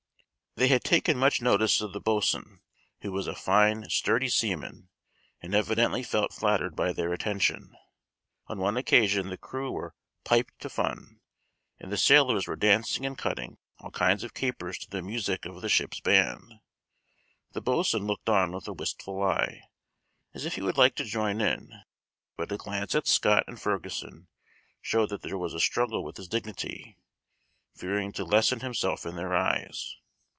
They had taken much notice of the boatswain, who was a fine sturdy seaman, and evidently felt flattered by their attention. On one occasion the crew were "piped to fun," and the sailors were dancing and cutting all kinds of capers to the music of the ship's band. The boatswain looked on with a wistful eye, as if he would like to join in; but a glance at Scott and Ferguson showed that there was a struggle with his dignity, fearing to lessen himself in their eyes.